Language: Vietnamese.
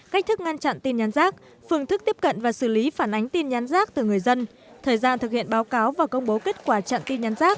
cách thức ngăn chặn tin nhắn rác phương thức tiếp cận và xử lý phản ánh tin nhắn rác từ người dân